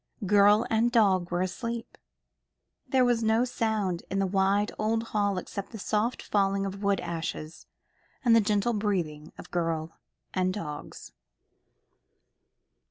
Girl and dog were asleep. There was no sound in the wide old hall except the soft falling of wood ashes, the gentle breathing of girl and dogs.